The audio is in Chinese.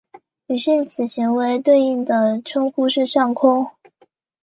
女性此行为对应的称呼是上空。